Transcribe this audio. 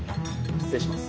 失礼します。